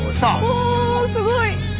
おおすごい！